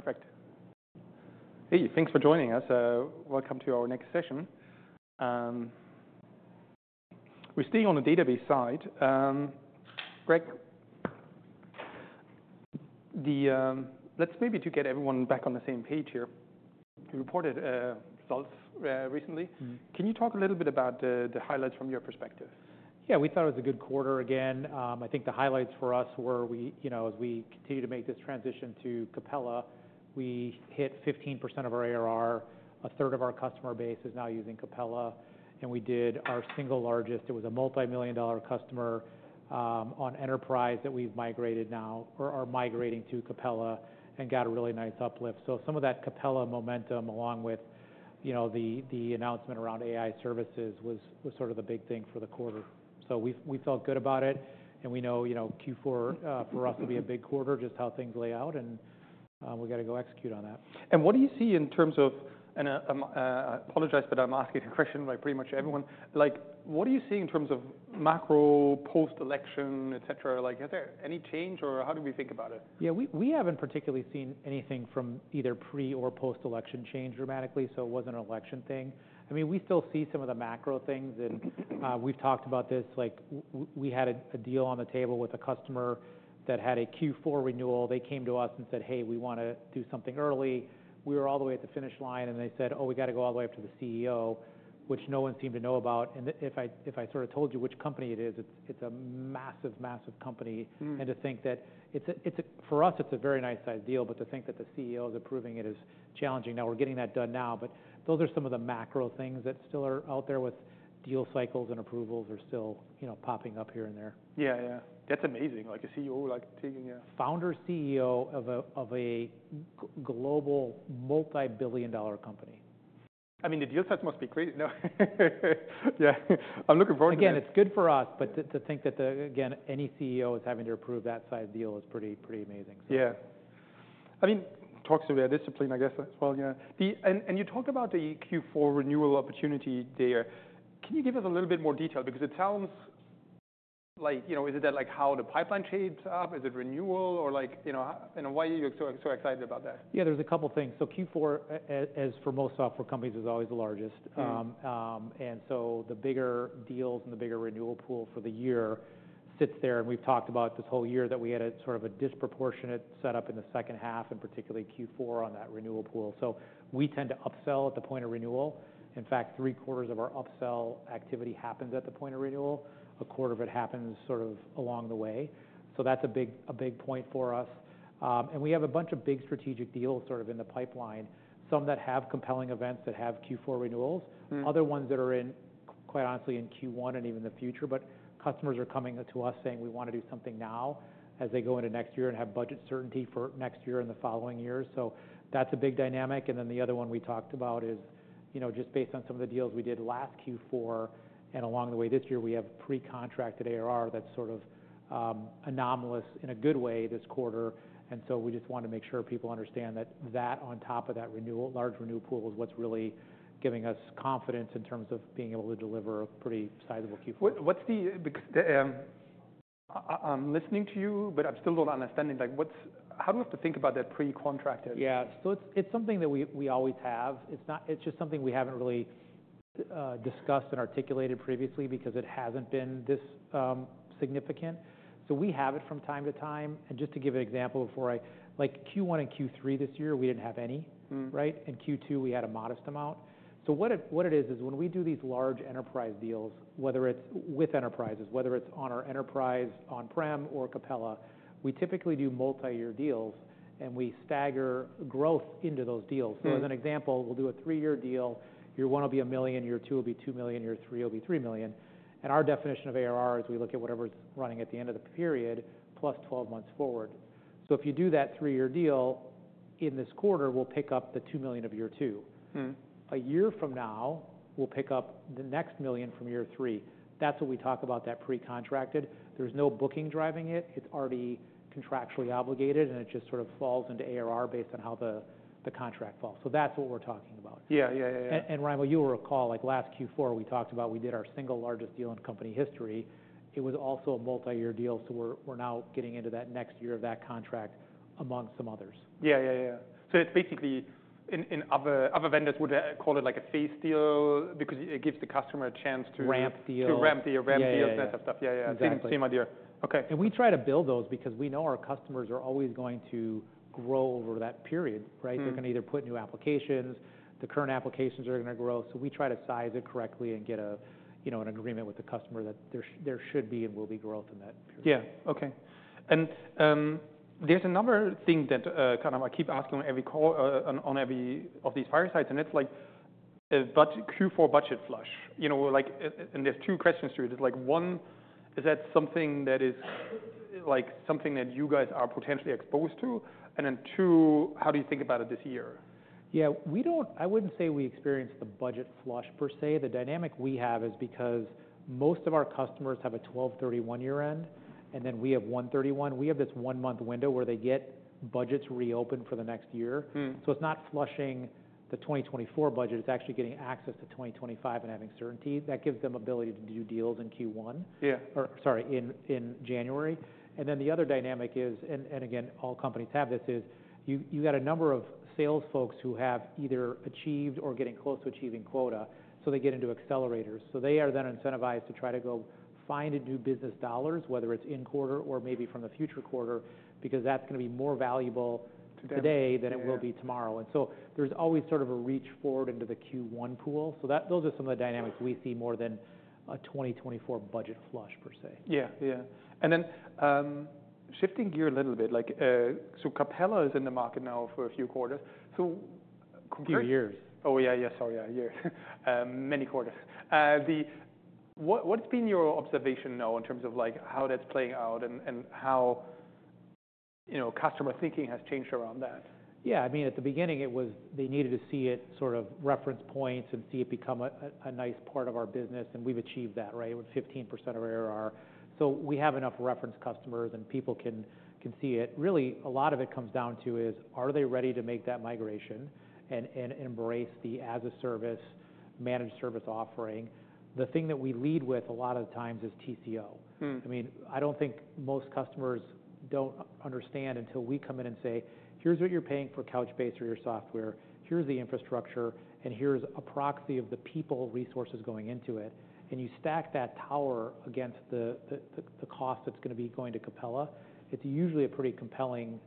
Perfect. Hey, thanks for joining us. Welcome to our next session. We're staying on the database side. Greg, let's maybe to get everyone back on the same page here. You reported results recently. Mm-hmm. Can you talk a little bit about the highlights from your perspective? Yeah, we thought it was a good quarter again. I think the highlights for us were we, you know, as we continue to make this transition to Capella, we hit 15% of our ARR. A third of our customer base is now using Capella. And we did our single largest it was a multi-million-dollar customer, an enterprise that we've migrated now or are migrating to Capella and got a really nice uplift. So some of that Capella momentum, along with, you know, the announcement around AI services, was sort of the big thing for the quarter. So we felt good about it. And we know, you know, Q4, for us will be a big quarter, just how things lay out. And we gotta go execute on that. And what do you see in terms of, and I'm, I apologize, but I'm asking a question like pretty much everyone, like, what do you see in terms of macro, post-election, etc.? Like, is there any change, or how do we think about it? Yeah, we, we haven't particularly seen anything from either pre or post-election change dramatically, so it wasn't an election thing. I mean, we still see some of the macro things. And, we've talked about this. Like, we, we had a, a deal on the table with a customer that had a Q4 renewal. They came to us and said, "Hey, we wanna do something early." We were all the way at the finish line, and they said, "Oh, we gotta go all the way up to the CEO," which no one seemed to know about. And if I, if I sort of told you which company it is, it's, it's a massive, massive company. Mm-hmm. To think that it's a very nice size deal for us, but to think that the CEO is approving it is challenging. Now we're getting that done now. But those are some of the macro things that still are out there, with deal cycles and approvals are still, you know, popping up here and there. Yeah, yeah. That's amazing. Like, a CEO, like, taking, yeah. Founder CEO of a global multi-billion-dollar company. I mean, the deal size must be crazy, no? Yeah. I'm looking forward to it. Again, it's good for us, but to think that, again, any CEO is having to approve that size deal is pretty amazing, so. Yeah. I mean, talks about their discipline, I guess, as well, yeah. And you talk about the Q4 renewal opportunity there. Can you give us a little bit more detail? Because it sounds like, you know, is it that, like, how the pipeline shapes up? Is it renewal or, like, you know, why are you so excited about that? Yeah, there's a couple things. So Q4, as for most software companies, is always the largest. Mm-hmm. And so the bigger deals and the bigger renewal pool for the year sits there. And we've talked about this whole year that we had a sort of a disproportionate setup in the second half, and particularly Q4, on that renewal pool. So we tend to upsell at the point of renewal. In fact, three-quarters of our upsell activity happens at the point of renewal. A quarter of it happens sort of along the way. So that's a big, a big point for us. And we have a bunch of big strategic deals sort of in the pipeline, some that have compelling events that have Q4 renewals. Mm-hmm. Other ones that are in, quite honestly, in Q1 and even the future. But customers are coming to us saying, "We wanna do something now," as they go into next year and have budget certainty for next year and the following year. So that's a big dynamic. And then the other one we talked about is, you know, just based on some of the deals we did last Q4. And along the way this year, we have pre-contracted ARR that's sort of, anomalous in a good way this quarter. And so we just wanna make sure people understand that, on top of that renewal, large renewal pool, is what's really giving us confidence in terms of being able to deliver a pretty sizable Q4. I'm listening to you, but I'm still not understanding. Like, what's how do you have to think about that pre-contracted? Yeah. So it's something that we always have. It's not just something we haven't really discussed and articulated previously because it hasn't been this significant. So we have it from time to time. And just to give an example, before, like, Q1 and Q3 this year, we didn't have any. Mm-hmm. Right? In Q2, we had a modest amount. So what it, what it is, is when we do these large enterprise deals, whether it's with enterprises, whether it's on our enterprise on-prem or Capella, we typically do multi-year deals, and we stagger growth into those deals. Mm-hmm. As an example, we'll do a three-year deal. Year one will be $1 million. Year two will be $2 million. Year three will be $3 million. And our definition of ARR is we look at whatever's running at the end of the period plus 12 months forward. So if you do that three-year deal in this quarter, we'll pick up the $2 million of year two. Mm-hmm. A year from now, we'll pick up the next million from year three. That's what we talk about, that pre-contracted. There's no booking driving it. It's already contractually obligated, and it just sort of falls into ARR based on how the contract falls. So that's what we're talking about. Yeah, yeah, yeah, yeah. And Raimo, you were on a call, like, last Q4, we talked about we did our single largest deal in company history. It was also a multi-year deal, so we're now getting into that next year of that contract among some others. Yeah. So it's basically in other vendors would call it like a phased deal because it gives the customer a chance to. Ramp deal. To ramp deal. Ramp deal. That type of stuff. Yeah, yeah. Mm-hmm. That seems ideal. Okay. We try to build those because we know our customers are always going to grow over that period, right? They're gonna either put new applications. The current applications are gonna grow. So we try to size it correctly and get a, you know, an agreement with the customer that there should be and will be growth in that period. Yeah. Okay. And there's another thing that kind of I keep asking on every call, on every one of these firesides, and it's like budget Q4 budget flush. You know, like, and there's two questions to it. It's like, one, is that something that is, like, something that you guys are potentially exposed to? And then two, how do you think about it this year? Yeah. We don't, I wouldn't say we experienced the budget flush per se. The dynamic we have is because most of our customers have a 12/31 year-end, and then we have 1/31. We have this one-month window where they get budgets reopened for the next year. Mm-hmm. So it's not flushing the 2024 budget. It's actually getting access to 2025 and having certainty. That gives them ability to do deals in Q1. Yeah. Or, sorry, in January. And then the other dynamic is, and again, all companies have this, is you got a number of sales folks who have either achieved or getting close to achieving quota, so they get into accelerators. So they are then incentivized to try to go find and do business dollars, whether it's in quarter or maybe from the future quarter, because that's gonna be more valuable today than it will be tomorrow. Mm-hmm. And so there's always sort of a reach forward into the Q1 pool. So that, those are some of the dynamics we see more than a 2024 budget flush per se. Yeah, yeah. And then, shifting gear a little bit, like, so Capella is in the market now for a few quarters. So compute. Two years. Oh, yeah. Sorry, yeah. Many quarters. What's been your observation now in terms of, like, how that's playing out and how, you know, customer thinking has changed around that? Yeah. I mean, at the beginning, it was they needed to see it sort of reference points and see it become a nice part of our business. And we've achieved that, right, with 15% of ARR. So we have enough reference customers, and people can see it. Really, a lot of it comes down to is, are they ready to make that migration and embrace the as-a-service managed service offering? The thing that we lead with a lot of the times is TCO. Mm-hmm. I mean, I don't think most customers don't understand until we come in and say, "Here's what you're paying for Couchbase or your software. Here's the infrastructure, and here's a proxy of the people, resources going into it." And you stack that tower against the cost that's gonna be going to Capella. It's usually a pretty compelling,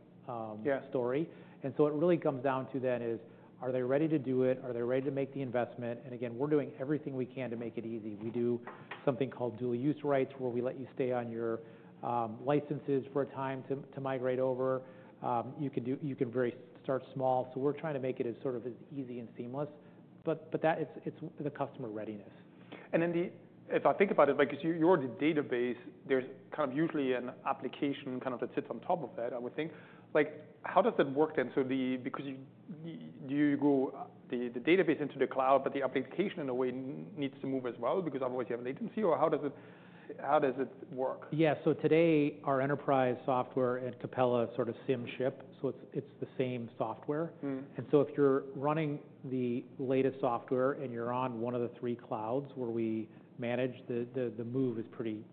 Yeah. Story. And so it really comes down to then is, are they ready to do it? Are they ready to make the investment? And again, we're doing everything we can to make it easy. We do something called dual-use rights, where we let you stay on your licenses for a time to migrate over. You can very start small. So we're trying to make it as sort of as easy and seamless. But that, it's the customer readiness. And then, if I think about it, like, 'cause you, you're the database, there's kind of usually an application kind of that sits on top of that, I would think. Like, how does that work then? So, because you do you go the database into the cloud, but the application in a way needs to move as well because otherwise you have latency? Or how does it work? Yeah. So today, our enterprise software and Capella sort of same ship. So it's the same software. Mm-hmm. And so if you're running the latest software and you're on one of the three clouds where we manage, the move is pretty,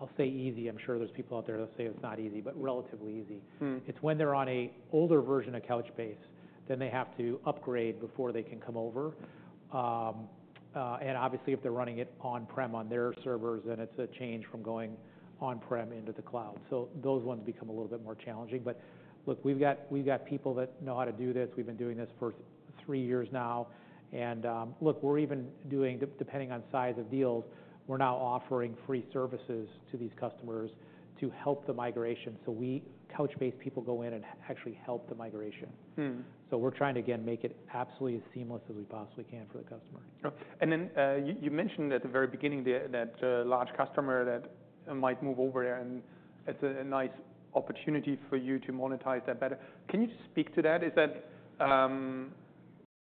I'll say easy. I'm sure there's people out there that say it's not easy, but relatively easy. Mm-hmm. It's when they're on an older version of Couchbase, then they have to upgrade before they can come over. And obviously, if they're running it on-prem on their servers, then it's a change from going on-prem into the cloud. So those ones become a little bit more challenging. But look, we've got, we've got people that know how to do this. We've been doing this for three years now. And, look, we're even doing, depending on size of deals, we're now offering free services to these customers to help the migration. So we Couchbase people go in and actually help the migration. Mm-hmm. So we're trying to, again, make it absolutely as seamless as we possibly can for the customer. Yeah. And then, you mentioned at the very beginning there, that a large customer that might move over there, and it's a nice opportunity for you to monetize that better. Can you just speak to that?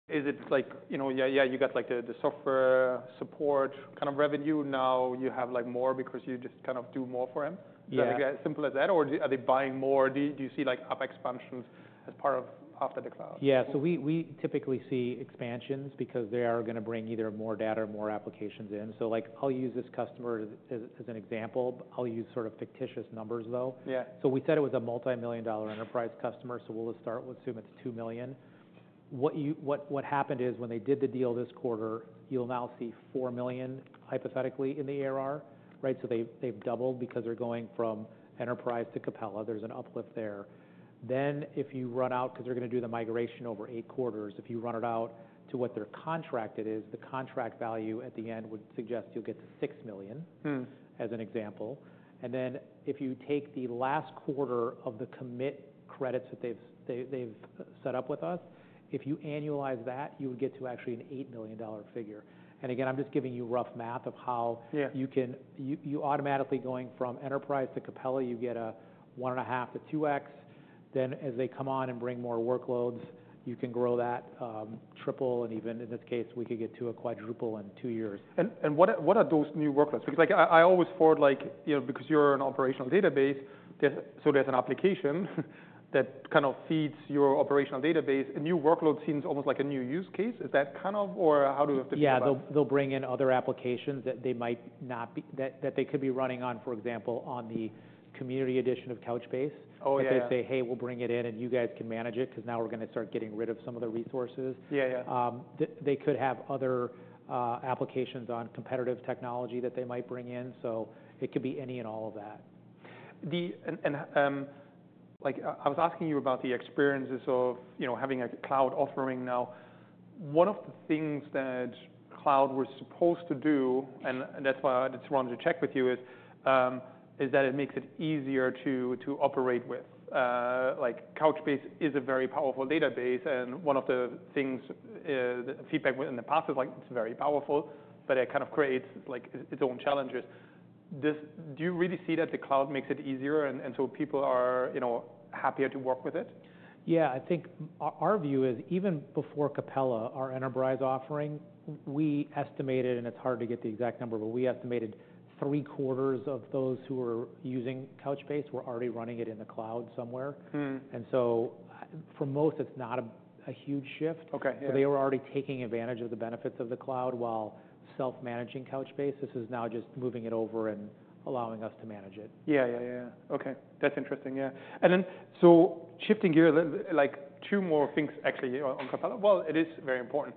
Is that, is it like, you know, yeah, you got like the software support kind of revenue. Now you have like more because you just kind of do more for them? Yeah. Is that as simple as that? Or are they buying more? Do you see like up expansions as part of after the cloud? Yeah. We typically see expansions because they are gonna bring either more data or more applications in, so like, I'll use this customer as an example. I'll use sort of fictitious numbers, though. Yeah. So we said it was a multi-million-dollar enterprise customer, so we'll start with assume it's $2 million. What happened is when they did the deal this quarter, you'll now see $4 million, hypothetically, in the ARR, right? So they've doubled because they're going from enterprise to Capella. There's an uplift there. Then if you run out, 'cause they're gonna do the migration over eight quarters, if you run it out to what their contract it is, the contract value at the end would suggest you'll get to $6 million. Mm-hmm. As an example, and then if you take the last quarter of the commit credits that they've set up with us, if you annualize that, you would get to actually an $8 million figure. And again, I'm just giving you rough math of how. Yeah. You can automatically going from Enterprise to Capella, you get a one and a half to 2X. Then as they come on and bring more workloads, you can grow that, triple, and even in this case, we could get to a quadruple in two years. What are those new workloads? Because like, I always thought like, you know, because you're an operational database, there's an application that kind of feeds your operational database. A new workload seems almost like a new use case. Is that kind of, or how do you have to think about it? Yeah. They'll bring in other applications that they might not be, that they could be running on, for example, on the Community Edition of Couchbase. Oh, yeah. That they say, "Hey, we'll bring it in, and you guys can manage it 'cause now we're gonna start getting rid of some of the resources. Yeah, yeah. that they could have other applications on competitive technology that they might bring in. So it could be any and all of that. Like, I was asking you about the experiences of, you know, having a cloud offering now. One of the things that cloud was supposed to do, and that's why I just wanted to check with you is that it makes it easier to operate with. Like, Couchbase is a very powerful database, and one of the things, the feedback in the past is like, it's very powerful, but it kind of creates, like, its own challenges. Do you really see that the cloud makes it easier, and so people are, you know, happier to work with it? Yeah. I think our view is even before Capella, our enterprise offering, we estimated, and it's hard to get the exact number, but we estimated three quarters of those who were using Couchbase were already running it in the cloud somewhere. Mm-hmm. And so for most, it's not a huge shift. Okay. Yeah. So they were already taking advantage of the benefits of the cloud while self-managing Couchbase. This is now just moving it over and allowing us to manage it. Yeah. Okay. That's interesting. Yeah. And then so shifting gear, like, two more things actually on Capella. Well, it is very important.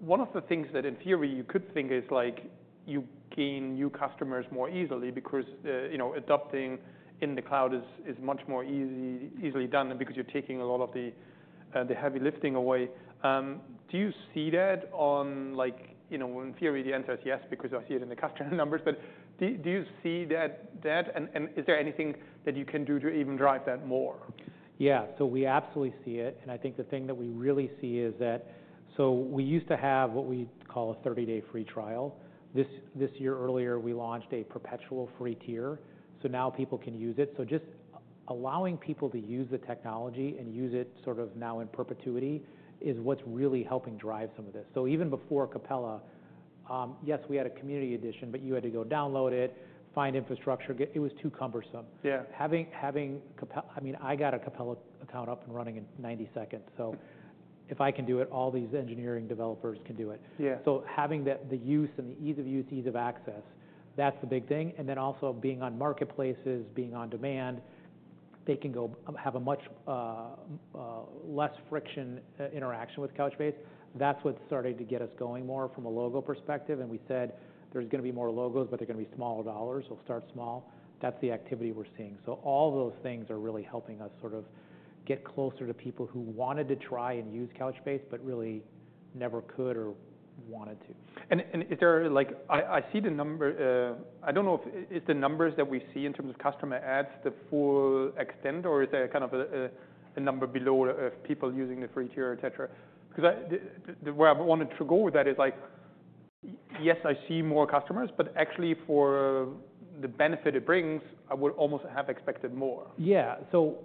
One of the things that in theory you could think is like you gain new customers more easily because, you know, adopting in the cloud is much more easily done because you're taking a lot of the heavy lifting away. Do you see that on, like, you know? In theory, the answer is yes because I see it in the customer numbers. But do you see that, and is there anything that you can do to even drive that more? Yeah. So we absolutely see it. And I think the thing that we really see is that, so we used to have what we call a 30-day free trial. Earlier this year, we launched a perpetual free tier. So now people can use it. So just allowing people to use the technology and use it sort of now in perpetuity is what's really helping drive some of this. So even before Capella, yes, we had a Community Edition, but you had to go download it, find infrastructure, get it. It was too cumbersome. Yeah. Having Capella, I mean, I got a Capella account up and running in 90 seconds. So if I can do it, all these engineering developers can do it. Yeah. So having that, the use and the ease of use, ease of access, that's the big thing. And then also being on marketplaces, being on demand, they can go have a much less friction interaction with Couchbase. That's what's started to get us going more from a logo perspective. And we said there's gonna be more logos, but they're gonna be smaller dollars. We'll start small. That's the activity we're seeing. So all those things are really helping us sort of get closer to people who wanted to try and use Couchbase but really never could or wanted to. Is there, like, I see the number. I don't know if it's the numbers that we see in terms of customer adds, the full extent, or is there kind of a number below of people using the free tier, etc.? Because that's where I wanted to go with that, like, yes, I see more customers, but actually for the benefit it brings, I would almost have expected more. Yeah. So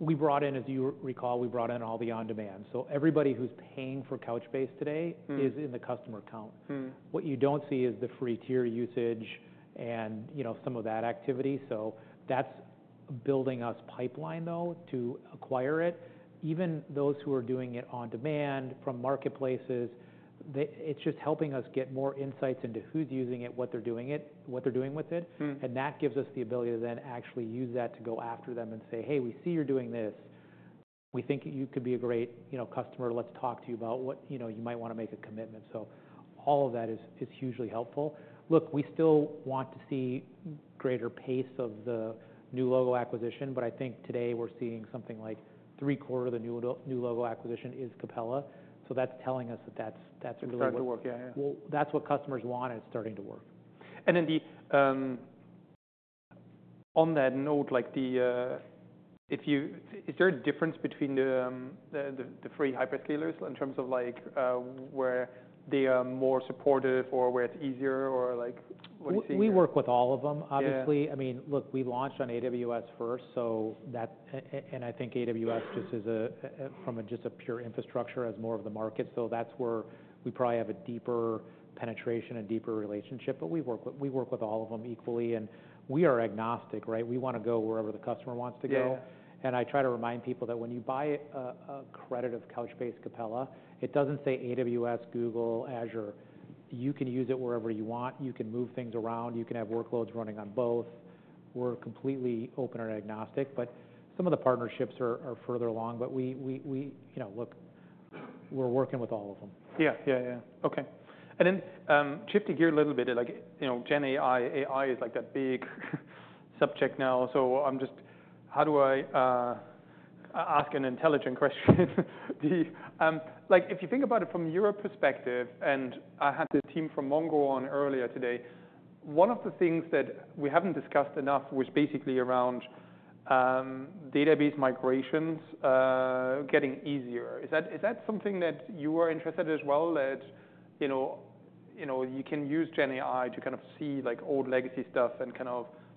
we brought in, as you recall, we brought in all the on-demand. So everybody who's paying for Couchbase today is in the customer account. Mm-hmm. What you don't see is the free tier usage and, you know, some of that activity. So that's building our pipeline, though, to acquire it. Even those who are doing it on-demand from marketplaces, it's just helping us get more insights into who's using it, what they're doing with it. Mm-hmm. And that gives us the ability to then actually use that to go after them and say, "Hey, we see you're doing this. We think you could be a great, you know, customer. Let's talk to you about what, you know, you might wanna make a commitment." So all of that is hugely helpful. Look, we still want to see greater pace of the new logo acquisition, but I think today we're seeing something like three quarters of the new logo acquisition is Capella. So that's telling us that that's really working. Starting to work. Yeah, yeah. That's what customers want, and it's starting to work. And then, on that note, like, if you, is there a difference between the three hyperscalers in terms of like, where they are more supportive or where it's easier or like what do you see? We work with all of them, obviously. Yeah. I mean, look, we launched on AWS first, so that, and I think AWS just is a, from a just a pure infrastructure as more of the market, so that's where we probably have a deeper penetration and deeper relationship, but we work with all of them equally, and we are agnostic, right? We wanna go wherever the customer wants to go. Yeah. And I try to remind people that when you buy a credit of Couchbase Capella, it doesn't say AWS, Google, Azure. You can use it wherever you want. You can move things around. You can have workloads running on both. We're completely open and agnostic. But some of the partnerships are further along. But we, you know, look, we're working with all of them. Yeah. Yeah, yeah. Okay. And then, shifting gear a little bit, like, you know, Gen AI, AI is like a big subject now. So I'm just, how do I, ask an intelligent question? The, like, if you think about it from your perspective, and I had the team from Mongo on earlier today, one of the things that we haven't discussed enough was basically around database migrations, getting easier. Is that, is that something that you are interested as well that, you know, you know, you can use Gen AI to kind of see like old legacy stuff and kind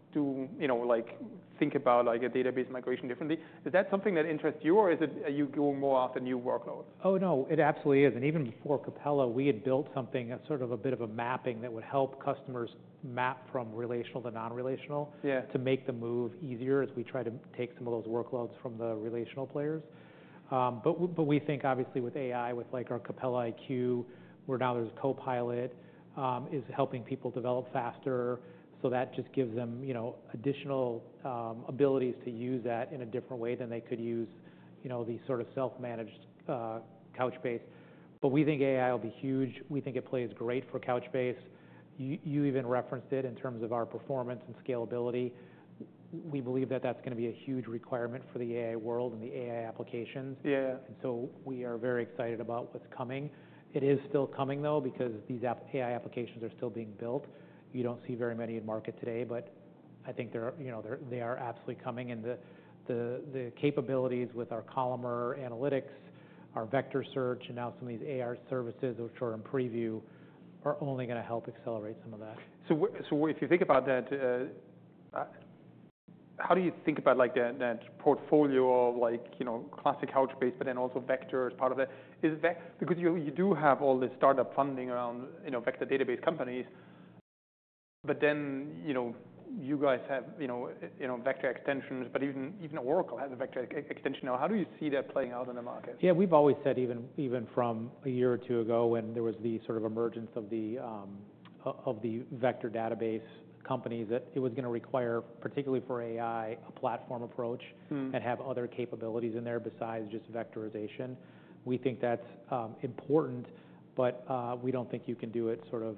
of do, you know, like think about like a database migration differently? Is that something that interests you, or is it you go more after new workloads? Oh, no. It absolutely is. And even before Capella, we had built something, a sort of a bit of a mapping that would help customers map from relational to non-relational. Yeah. To make the move easier as we try to take some of those workloads from the relational players. But we think obviously with AI, with like our Capella iQ, where now there's Copilot, is helping people develop faster. So that just gives them, you know, additional abilities to use that in a different way than they could use, you know, the sort of self-managed Couchbase. But we think AI will be huge. We think it plays great for Couchbase. You even referenced it in terms of our performance and scalability. We believe that that's gonna be a huge requirement for the AI world and the AI applications. Yeah, yeah. And so we are very excited about what's coming. It is still coming, though, because these app AI applications are still being built. You don't see very many in market today, but I think they're, you know, absolutely coming. And the capabilities with our columnar analytics, our vector search, and now some of these AI services, which are in preview, are only gonna help accelerate some of that. If you think about that, how do you think about, like, that portfolio of, like, you know, classic Couchbase, but then also vector as part of that? Is it because you do have all this startup funding around, you know, vector database companies, but then you guys have vector extensions, but even Oracle has a vector extension now. How do you see that playing out in the market? Yeah. We've always said, even from a year or two ago when there was the sort of emergence of the vector database companies that it was gonna require, particularly for AI, a platform approach. Mm-hmm. And have other capabilities in there besides just vectorization. We think that's important, but we don't think you can do it sort of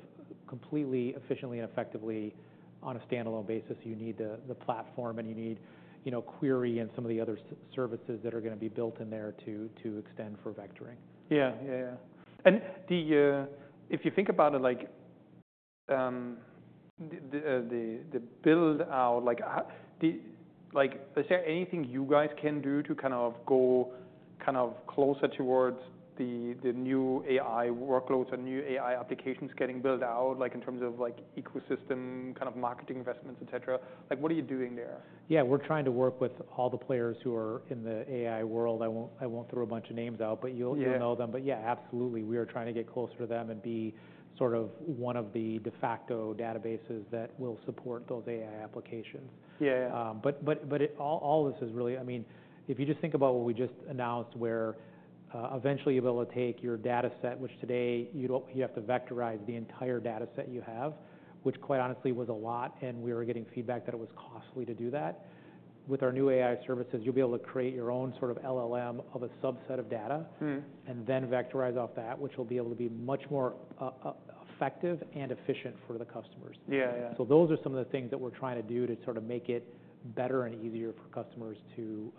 completely efficiently and effectively on a standalone basis. You need the platform, and you need, you know, query and some of the other services that are gonna be built in there to extend for vectoring. Yeah, yeah, yeah. If you think about it, like, the build out, like, is there anything you guys can do to kind of go kind of closer towards the new AI workloads or new AI applications getting built out, like in terms of like ecosystem, kind of marketing investments, etc.? Like, what are you doing there? Yeah. We're trying to work with all the players who are in the AI world. I won't throw a bunch of names out, but you'll. Yeah. You'll know them. But yeah, absolutely. We are trying to get closer to them and be sort of one of the de facto databases that will support those AI applications. Yeah, yeah. But all this is really, I mean, if you just think about what we just announced where, eventually you'll be able to take your dataset, which today you don't, you have to vectorize the entire dataset you have, which quite honestly was a lot. And we were getting feedback that it was costly to do that. With our new AI services, you'll be able to create your own sort of LLM of a subset of data. Mm-hmm. And then vectorize off that, which will be able to be much more, effective and efficient for the customers. Yeah, yeah. Those are some of the things that we're trying to do to sort of make it better and easier for customers to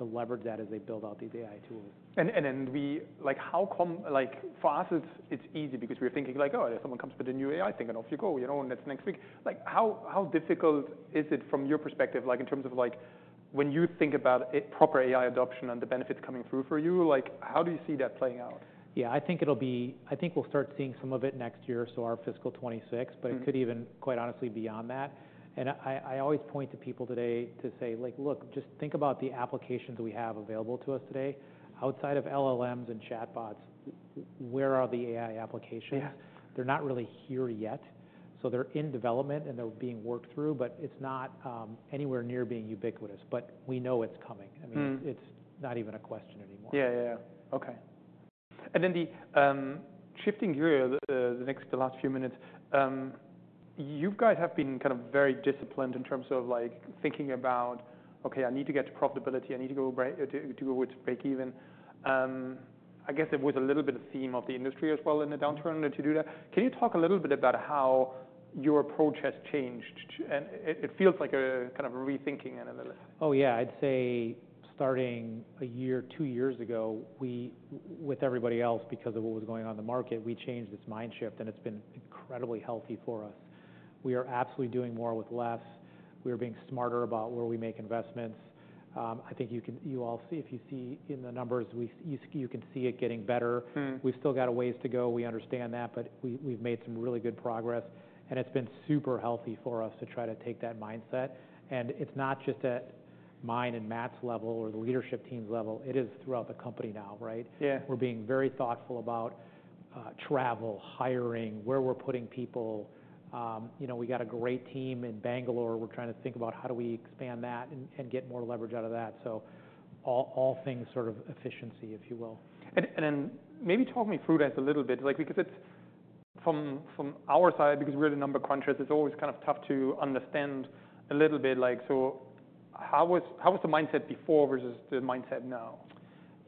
leverage that as they build out these AI tools. And then we like how come like for us it's easy because we're thinking like, "Oh, if someone comes with a new AI thing, and off you go, you know, and that's next week." Like, how difficult is it from your perspective, like, in terms of like when you think about it, proper AI adoption and the benefits coming through for you, like, how do you see that playing out? Yeah. I think it'll be, I think we'll start seeing some of it next year, so our fiscal 2026, but it could even quite honestly beyond that. And I, I always point to people today to say, like, "Look, just think about the applications we have available to us today. Outside of LLMs and chatbots, where are the AI applications? Yeah. They're not really here yet. So they're in development, and they're being worked through, but it's not anywhere near being ubiquitous. But we know it's coming. I mean, it's. Mm-hmm. It's not even a question anymore. Yeah, yeah, yeah. Okay. And then, shifting gear, the next, the last few minutes, you guys have been kind of very disciplined in terms of like thinking about, "Okay, I need to get to profitability. I need to go break, to, to go with break even." I guess it was a little bit a theme of the industry as well in the downturn to do that. Can you talk a little bit about how your approach has changed? And it, it feels like a kind of a rethinking analytic. Oh, yeah. I'd say starting a year, two years ago, we, with everybody else because of what was going on in the market, we changed this mindset, and it's been incredibly healthy for us. We are absolutely doing more with less. We are being smarter about where we make investments. I think you can, you all see, if you see in the numbers, we, you, you can see it getting better. Mm-hmm. We've still got a ways to go. We understand that, but we, we've made some really good progress. And it's been super healthy for us to try to take that mindset. And it's not just at mine and Matt's level or the leadership team's level. It is throughout the company now, right? Yeah. We're being very thoughtful about travel, hiring, where we're putting people. You know, we got a great team in Bangalore. We're trying to think about how do we expand that and get more leverage out of that. So all things sort of efficiency, if you will. Maybe talk me through that a little bit, like, because it's from our side, because we're the number crunchers, it's always kind of tough to understand a little bit, like, so how was the mindset before versus the mindset now?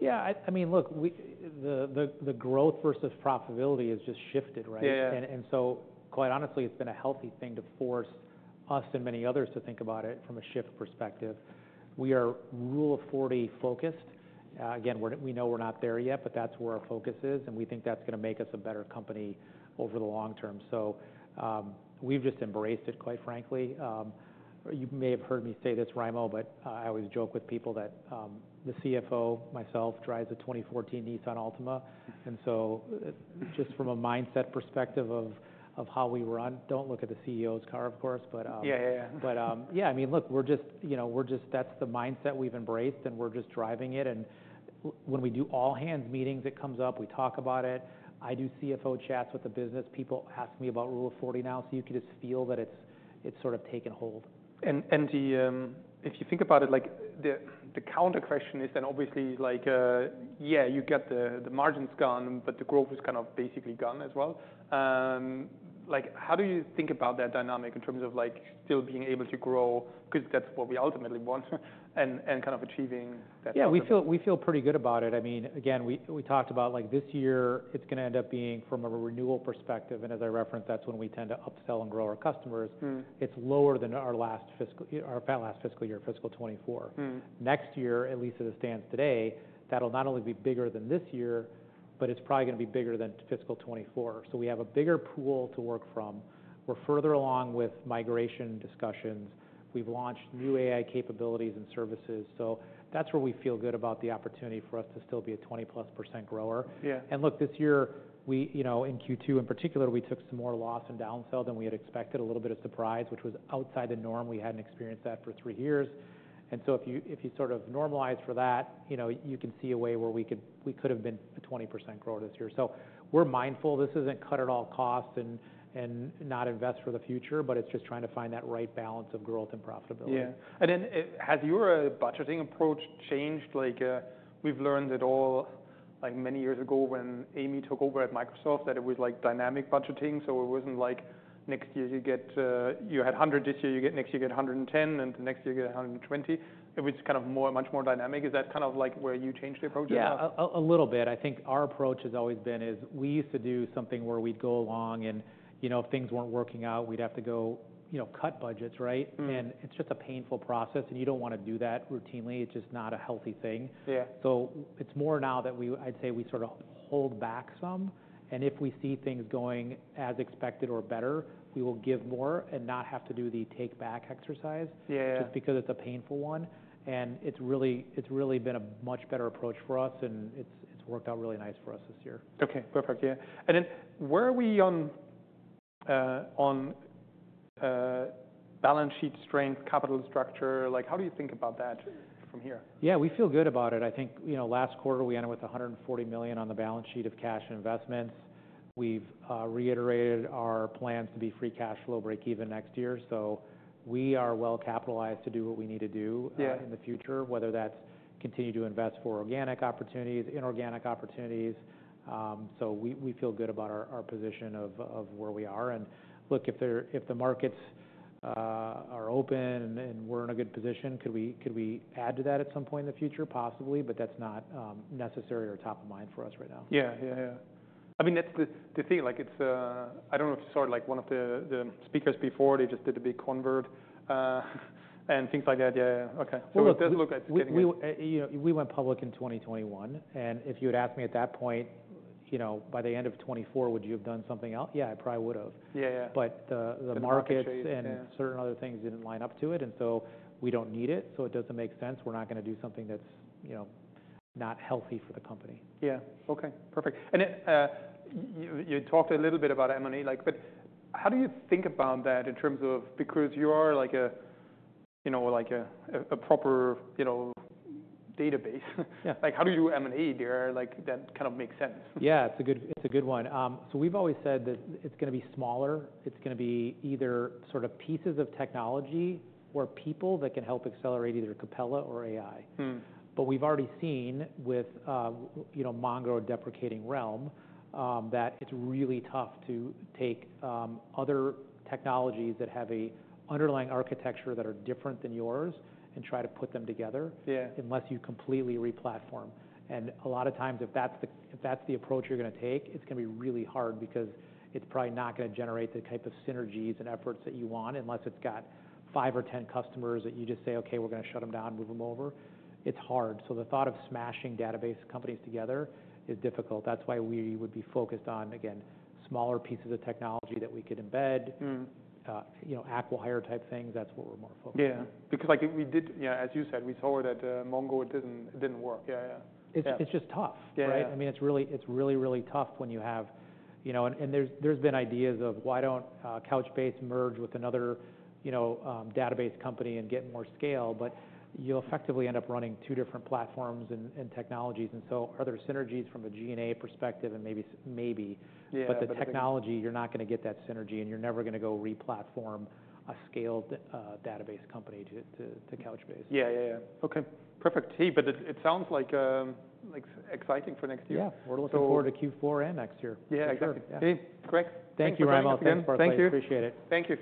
Yeah. I mean, look, the growth versus profitability has just shifted, right? Yeah. And so quite honestly, it's been a healthy thing to force us and many others to think about it from a shift perspective. We are Rule of 40 focused. Again, we're, we know we're not there yet, but that's where our focus is. And we think that's gonna make us a better company over the long term. So, we've just embraced it, quite frankly. You may have heard me say this, Raimo, but, I always joke with people that, the CFO, myself, drives a 2014 Nissan Altima. And so just from a mindset perspective of, of how we run, don't look at the CEO's car, of course, but, Yeah, yeah, yeah. But, yeah, I mean, look, we're just, you know, we're just, that's the mindset we've embraced, and we're just driving it. And when we do all-hands meetings, it comes up. We talk about it. I do CFO chats with the business. People ask me about rule of 40 now, so you can just feel that it's sort of taken hold. If you think about it, like the counter question is then obviously like, yeah, you got the margins gone, but the growth is kind of basically gone as well. Like, how do you think about that dynamic in terms of like still being able to grow? 'Cause that's what we ultimately want and kind of achieving that. Yeah. We feel pretty good about it. I mean, again, we talked about like this year, it's gonna end up being from a renewal perspective. And as I referenced, that's when we tend to upsell and grow our customers. Mm-hmm. It's lower than our last fiscal year, fiscal 2024. Mm-hmm. Next year, at least as it stands today, that'll not only be bigger than this year, but it's probably gonna be bigger than fiscal 2024. So we have a bigger pool to work from. We're further along with migration discussions. We've launched new AI capabilities and services. So that's where we feel good about the opportunity for us to still be a 20-plus% grower. Yeah. Look, this year, we, you know, in Q2 in particular, we took some more churn and downsell than we had expected, a little bit of a surprise, which was outside the norm. We hadn't experienced that for three years. If you, if you sort of normalize for that, you know, you can see a way where we could, we could have been a 20% grower this year. We're mindful. This isn't cut at all costs and not invest for the future, but it's just trying to find that right balance of growth and profitability. Yeah. And then, has your budgeting approach changed? Like, we've learned it all like many years ago when Amy took over at Microsoft that it was like dynamic budgeting. So it wasn't like next year you get, you had 100 this year, you get next year you get 110, and the next year you get 120. It was kind of more, much more dynamic. Is that kind of like where you changed the approach? Yeah, a little bit. I think our approach has always been is we used to do something where we'd go along and, you know, if things weren't working out, we'd have to go, you know, cut budgets, right? Mm-hmm. It's just a painful process, and you don't wanna do that routinely. It's just not a healthy thing. Yeah. So it's more now that we, I'd say we sort of hold back some. And if we see things going as expected or better, we will give more and not have to do the take-back exercise. Yeah, yeah. Just because it's a painful one and it's really, it's really been a much better approach for us, and it's, it's worked out really nice for us this year. Okay. Perfect. Yeah. And then where are we on balance sheet strength, capital structure? Like, how do you think about that from here? Yeah. We feel good about it. I think, you know, last quarter we ended with $140 million on the balance sheet of cash investments. We've reiterated our plans to be free cash flow break even next year. So we are well capitalized to do what we need to do. Yeah. In the future, whether that's continue to invest for organic opportunities, inorganic opportunities. So we feel good about our position of where we are. And look, if the markets are open and we're in a good position, could we add to that at some point in the future? Possibly, but that's not necessary or top of mind for us right now. Yeah, yeah, yeah. I mean, that's the thing. Like, it's. I don't know if you saw it, like one of the speakers before. They just did a big convert, and things like that. Yeah, yeah. Okay. So it does look like it's getting there. You know, we went public in 2021. And if you had asked me at that point, you know, by the end of 2024, would you have done something else? Yeah, I probably would've. Yeah, yeah. But the market. The market changed. Yeah. Certain other things didn't line up to it. We don't need it. It doesn't make sense. We're not gonna do something that's, you know, not healthy for the company. Yeah. Okay. Perfect. And it, you talked a little bit about M&A, like, but how do you think about that in terms of, because you are like a, you know, a proper, you know, database? Yeah. Like, how do you do M&A there? Like, that kind of makes sense. Yeah. It's a good one, so we've always said that it's gonna be smaller. It's gonna be either sort of pieces of technology or people that can help accelerate either Capella or AI. Mm-hmm. But we've already seen with, you know, Mongo deprecating Realm, that it's really tough to take other technologies that have a underlying architecture that are different than yours and try to put them together. Yeah. Unless you completely replatform, and a lot of times, if that's the approach you're gonna take, it's gonna be really hard because it's probably not gonna generate the type of synergies and efforts that you want unless it's got five or 10 customers that you just say, "Okay, we're gonna shut 'em down, move 'em over." It's hard, so the thought of smashing database companies together is difficult. That's why we would be focused on, again, smaller pieces of technology that we could embed. Mm-hmm. You know, acquire type things. That's what we're more focused on. Yeah. Because like we did, you know, as you said, we saw that, Mongo, it didn't work. Yeah, yeah. It's, it's just tough, right? Yeah. I mean, it's really, it's really, really tough when you have, you know, and there's been ideas of, "Why don't Couchbase merge with another, you know, database company and get more scale?" But you'll effectively end up running two different platforms and technologies, and so are there synergies from a G&A perspective and maybe, maybe. Yeah, yeah. But the technology, you're not gonna get that synergy, and you're never gonna go replatform a scaled database company to Couchbase. Yeah, yeah, yeah. Okay. Perfect. Hey, but it sounds like exciting for next year. Yeah. We're looking forward to Q4 and next year. Yeah. Exactly. Hey, Greg. Thank you, Raimo. Thank you. Thanks. Appreciate it. Thank you.